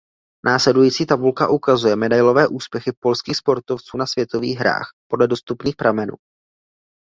Následující tabulka ukazuje medailové úspěchy polských sportovců na Světových hrách podle dostupných pramenů.